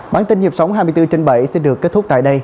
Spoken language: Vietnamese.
bản tin dịp sống hai mươi bốn h trên bảy sẽ được kết thúc tại đây